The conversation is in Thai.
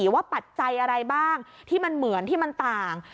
ปัจจัยอะไรบ้างที่มันเหมือนที่มันต่าง